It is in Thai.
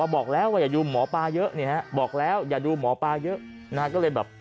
บอกแล้วว่าอย่าดูหมอปลาเยอะเนี่ยฮะบอกแล้วอย่าดูหมอปลาเยอะนะฮะก็เลยแบบ